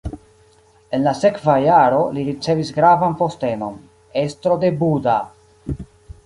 En la sekva jaro li ricevis gravan postenon: estro de Buda.